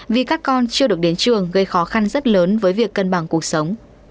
vì các con chưa được đến trường gây khó khăn rất lớn với việc cân bằng cuộc sống